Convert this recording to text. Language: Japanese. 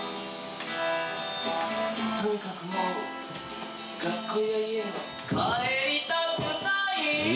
とにかくもう学校や家には帰りたくない）